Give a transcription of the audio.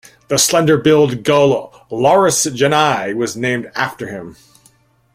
The Slender-billed gull "Larus genei" was named after him.